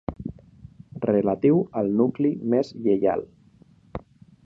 Relatiu al nucli més lleial.